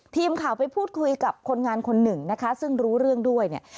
ทีมข่าวไปพูดคุยกับคนงานคนหนึ่งนะคะซึ่งรู้เรื่องด้วยเนี่ย